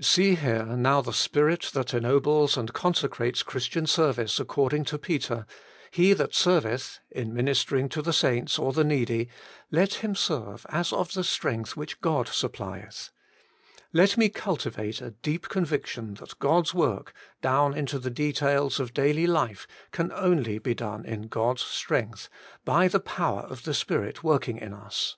See here now the spirit that ennobles and i6o Working for God consecrates Christian service according to Peter: 'He that serveth (in ministering to the saints or the needy), let him serve as of the strength which God supplieth/ Let me cultivate a deep conviction that God's work, down into the details of daily life, can only be done in God's strength, ' by the power of the Spirit working in us.'